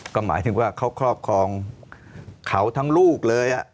ก็หมายถึงว่าเขาครอบครองเขาทั้งลูกเลย